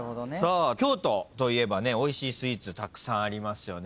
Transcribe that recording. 京都といえばおいしいスイーツたくさんありますよね。